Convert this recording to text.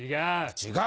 違う。